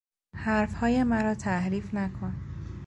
حرفهای مرا تحریف نکن!